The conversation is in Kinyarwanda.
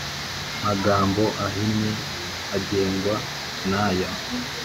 Magambo ahinnye ugengwa n aya